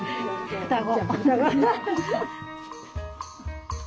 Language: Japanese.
双子。